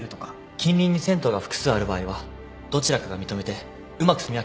近隣に銭湯が複数ある場合はどちらかが認めてうまくすみ分けたっていい。